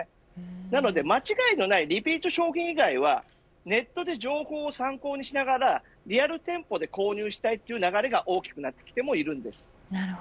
なので、間違いのないリピート商品以外はネットで情報を参考にしながらリアル店舗で購入したいという流れが大きくなっています。